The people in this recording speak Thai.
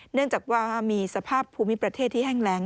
เนื่องจากว่ามีสภาพภูมิประเทศที่แห้งแรง